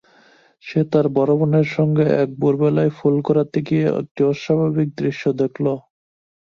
সে তার বড় বোনের সঙ্গে এক ভোরবেলায় ফুল কুড়াতে গিয়ে একটি অস্বাভাবিক দৃশ্য দেখল।